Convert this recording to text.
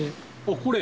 これ？